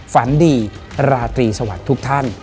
ฝันดีราตรีสวัสดีทุกท่าน